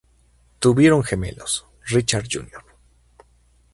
Tuvieron gemelos, Richard Jr.